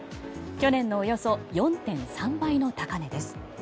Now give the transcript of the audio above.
去年のおよそ４．３倍の高値です。